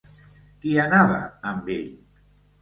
Qui anava amb ell?